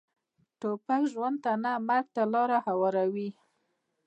توپک ژوند نه، مرګ ته لاره هواروي.